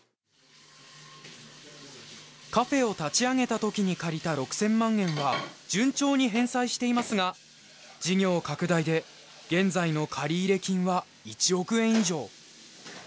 カフェを立ち上げた時に借りた６０００万円は順調に返済していますが事業拡大で現在の借入金は１億円以上。